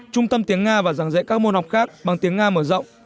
trung tâm tiếng nga và giảng dạy các môn học khác bằng tiếng nga mở rộng